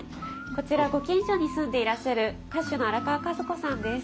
こちらご近所に住んでいらっしゃる歌手の荒川和子さんです。